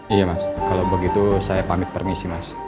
iya mas kalau begitu saya pamit permisi mas